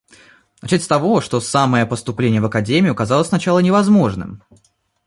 Начать с того, что самое поступление в академию казалось сначала невозможным.